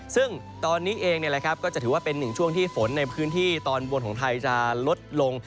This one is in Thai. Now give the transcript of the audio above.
ซึ่งตอนนี้เองก็จะถือว่าเป็นหนึ่งช่วงที่ฝนในพื้นที่ตอนบนของไทยจะลดลง